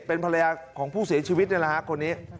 เป็นภรรยาของผู้เสียชีวิตนี่แหละฮะคนนี้